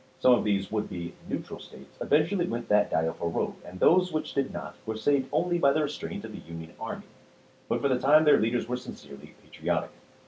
Some of these would be "neutral" States eventually went that direful road; and those which did not were saved only by the restraint of the Union army. But for the time their leaders were sincerely pa triotic.